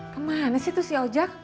kemana sih tuh si ojek